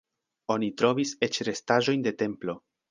Oni trovis eĉ restaĵojn de templo.